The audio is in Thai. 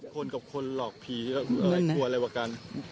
คนกับคนหลอกผีไม่กลัวอะไรวะกัน